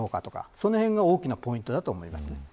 そのへんが大きなポイントだと思います。